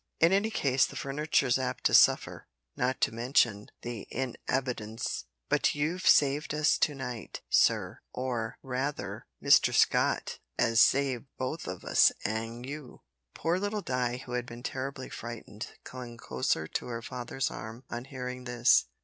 In any case the furniture's apt to suffer, not to mention the in'abitants, but you've saved us to night, sir, or, raither, Mr Scott 'as saved both us an' you." Poor little Di, who had been terribly frightened, clung closer to her father's arm on hearing this.